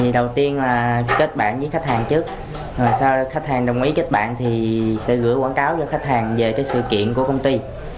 đầu tiên là kết bạn với khách hàng trước sau đó khách hàng đồng ý kết bạn thì sẽ gửi quảng cáo cho khách hàng về sự kiện của công ty